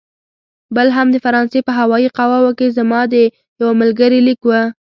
بل هم د فرانسې په هوايي قواوو کې زما د یوه ملګري لیک و.